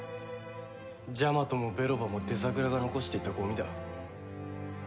ジャマトもベロバもデザグラが残していったゴミだ。